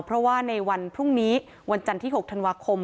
เพราะว่าในวันพรุ่งนี้วันจันทร์ที่๖ธันวาคม